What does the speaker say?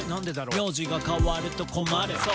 「名字が変わると困るｓｏ，」